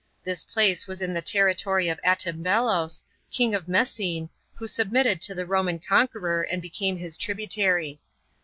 This place w;is in the territory of Attambelos, king of Mesene, who submitted to the Roman conqueror, and became his tributary.